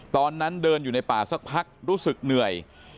ตอนนั้นเดินอยู่ในป่าสักพักรู้สึกเหนื่อย